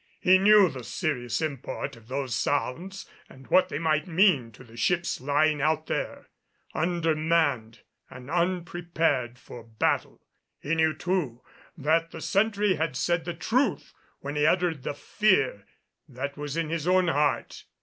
He knew the serious import of those sounds and what they might mean to the ships lying out there, under manned and unprepared for battle. He knew too that the sentry had said the truth when he uttered the fear that was in his own heart.